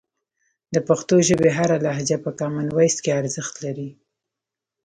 د پښتو ژبې هره لهجه په کامن وایس کې ارزښت لري.